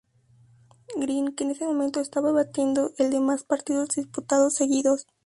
Green, que en ese momento estaba batiendo el de más partidos disputados seguidos.